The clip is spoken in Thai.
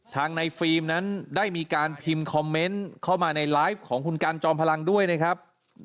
ทางในฟิล์มนั้นได้มีการพิมพ์คอมเมนต์เข้ามาในไลฟ์ของคุณกันจอมพลังด้วยนะครับ